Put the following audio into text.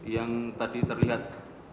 yang tadi terlihat